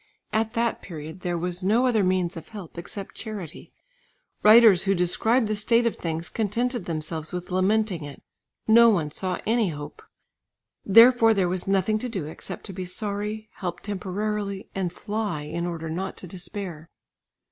At that period there was no other means of help except charity; writers who described the state of things, contented themselves with lamenting it; no one saw any hope. Therefore there was nothing to do except to be sorry, help temporarily, and fly in order not to despair.